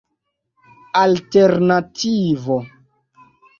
alternativo